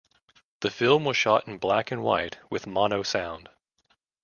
The film was shot in black and white with mono sound.